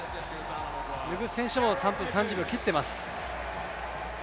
ヌグース選手も３分３０秒切っています。